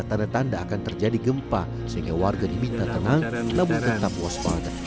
tanda tanda akan terjadi gempa sehingga warga diminta tenang namun tetap waspada